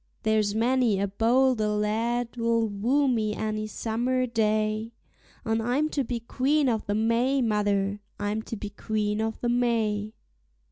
There's many a bolder lad'll woo me any summer day; And I'm to be Queen o'the May, mother, I'm to be Queen o'the May.